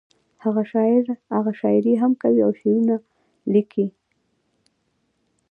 هغه شاعري هم کوي او شعرونه لیکي